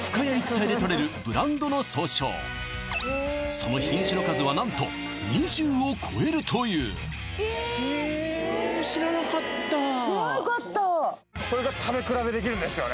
その品種の数は何と２０を超えるという知らなかったそれが食べ比べできるんですよね